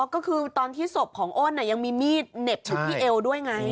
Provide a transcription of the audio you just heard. ก็คือตอนที่ศพของอ้นยังมีมีดเหน็บอยู่ที่เอวด้วยไง